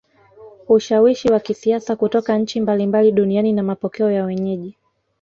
Ushawishi wa kisiasa kutoka nchi mbalimbali duniani na mapokeo ya wenyeji